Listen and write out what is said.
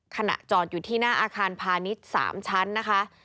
ขณะจอดอยู่ที่หน้าอาคารพาณิชย์๓ชั้นนะคะ